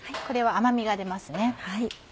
これは甘みが出ますね。